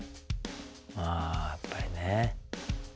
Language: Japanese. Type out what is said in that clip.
あやっぱりね。